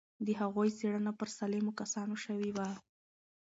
د هغوی څېړنه پر سالمو کسانو شوې وه.